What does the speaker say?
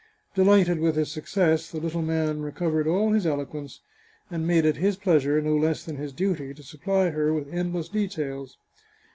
Delighted with his suc cess, the little man recovered all his eloquence, and made it his pleasure, no less than his duty, to supply her with end less details.